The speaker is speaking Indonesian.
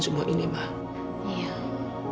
seorang para pemilang